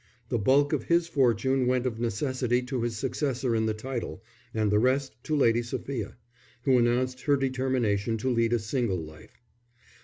The bulk of his fortune went of necessity to his successor in the title and the rest to Lady Sophia, who announced her determination to lead a single life.